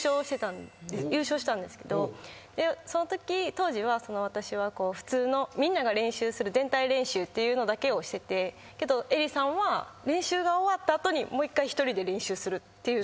当時私は普通のみんなが練習する全体練習っていうのだけをしててけど絵莉さんは練習が終わった後にもう１回１人で練習するっていうのを。